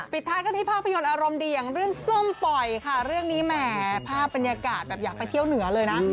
ท้ายกันที่ภาพยนตร์อารมณ์ดีอย่างเรื่องส้มปล่อยค่ะเรื่องนี้แหมภาพบรรยากาศแบบอยากไปเที่ยวเหนือเลยนะ